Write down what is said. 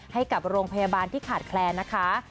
ให้กับโรงพยาบาลที่ขาดแคลนนะคะ